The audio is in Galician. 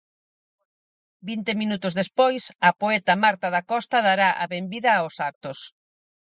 Vinte minutos despois, a poeta Marta Dacosta dará a benvida aos actos.